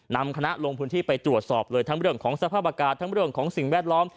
นำคณะลงพื้นที่ไปตรวจสอบเลยทั้งเรื่องของสภาพอากาศทั้งเรื่องของสิ่งแวดล้อม